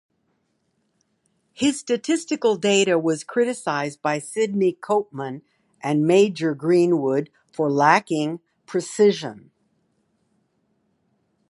His statistical data was criticized by Sydney Copeman and Major Greenwood for lacking precision.